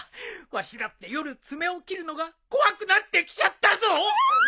わしだって夜爪を切るのが怖くなってきちゃったぞ！